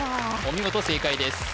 見事正解です